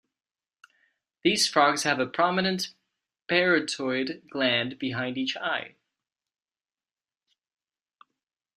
These frogs have a prominent parotoid gland behind each eye.